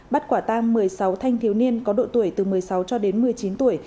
bắt quả tang một mươi sáu thanh thiếu niên có độ tuổi từ một mươi sáu cho đến một mươi chín tuổi